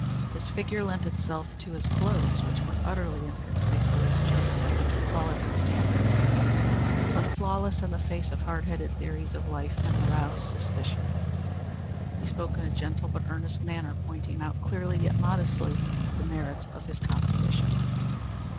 His figure lent itself to his clothes, which were utterly inconspicuous, judged by metropolitan standards, but flawless in the face of hard headed theories of life, and aroused suspicion. He spoke in a gentle but earnest manner, pointing out clearly, yet modestly, the merits of his composition.